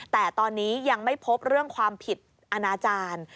แต่ตอนนี้ยังไม่พบเรื่องความผิดอนาจารย์